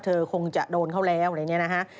เธอคงจะโดนเขาแล้วอะไรเนี่ยนะฮะ